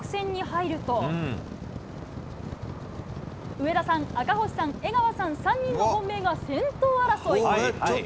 上田さん、赤星さん、江川さん３人の本命が先頭争い。